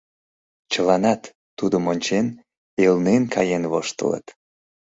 Чыланат, тудым ончен, элнен каен воштылыт.